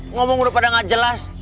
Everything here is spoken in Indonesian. ngomong udah pada gak jelas